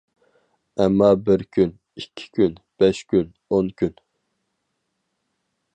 ئەمما بىر كۈن، ئىككى كۈن، بەش كۈن، ئون كۈن.